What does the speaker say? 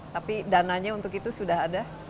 tapi dananya untuk itu sudah ada